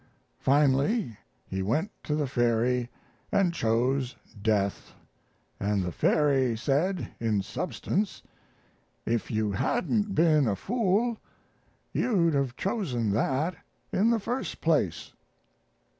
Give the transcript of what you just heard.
Finally he went to the fairy and chose death, and the fairy said, in substance, 'If you hadn't been a fool you'd have chosen that in the first place.'